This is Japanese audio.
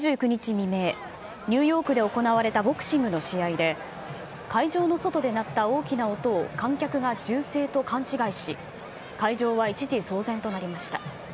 未明、ニューヨークで行われたボクシングの試合で、会場の外で鳴った大きな音を観客が銃声と勘違いし、会場は一時騒然となりました。